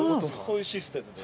そういうシステムで。